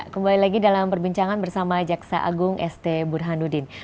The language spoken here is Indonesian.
kembali lagi dalam perbincangan bersama jaksa agung st burhanuddin